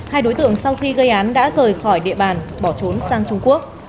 hai đối tượng sau khi gây án đã rời khỏi địa bàn bỏ trốn sang trung quốc